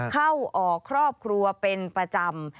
เข้าออกครอบครัวเป็นประจำ